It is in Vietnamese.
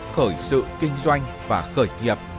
khởi sự kinh doanh và khởi nghiệp